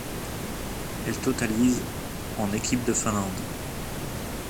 Elle totalise en équipe de Finlande.